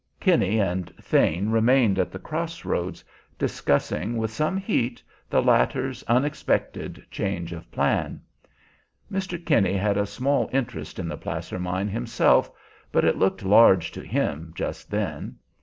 Kinney and Thane remained at the cross roads, discussing with some heat the latter's unexpected change of plan. Mr. Kinney had a small interest in the placer mine, himself, but it looked large to him just then.